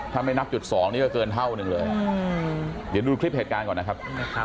ถ้าไม่นับจุด๒นี่ก็เกินเท่านึงเลยเดี๋ยวดูคลิปเหตุการณ์ก่อนนะครับ